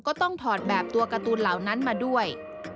ก็ต้องถอดแบบตัวการ์ตูนเหล่านั้นมาด้วย